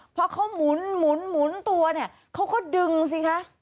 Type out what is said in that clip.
พอเขาหมุนตัวเนี่ยเขาก็ดึงสิคะ